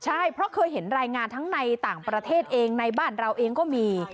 ใช่เพราะเคยเห็นรายงานทั้งในต่างประเทศเองในบ้านเราเองก็มี